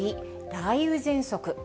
雷雨ぜんそく。